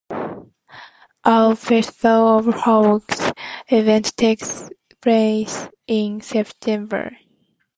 A 'Festival of Hawks' event takes place in September.